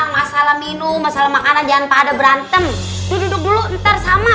masalah minum masalah makanan jangan pada berantem itu duduk dulu ntar sama